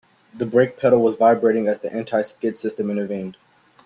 The brake pedal was vibrating as the anti-skid system intervened.